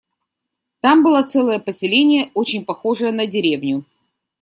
Там было целое поселение, очень похожее на деревню.